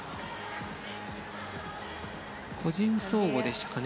個人総合ですかね。